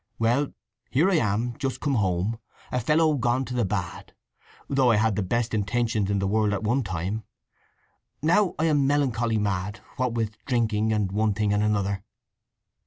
Well, here I am, just come home; a fellow gone to the bad; though I had the best intentions in the world at one time. Now I am melancholy mad, what with drinking and one thing and another."